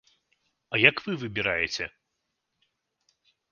А як вы выбіраеце?